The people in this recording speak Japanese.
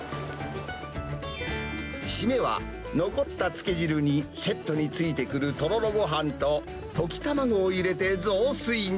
締めは、残ったつけ汁にセットについてくるとろろごはんと溶き卵を入れて雑炊に。